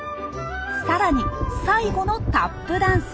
更に最後のタップダンス。